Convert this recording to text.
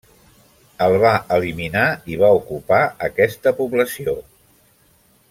El va eliminar i va ocupar aquesta població.